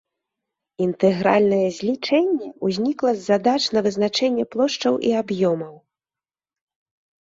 Інтэгральнае злічэнне ўзнікла з задач на вызначэнне плошчаў і аб'ёмаў.